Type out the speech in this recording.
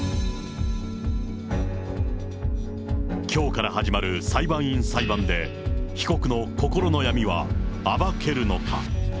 きょうから始まる裁判員裁判で、被告の心の闇は暴けるのか。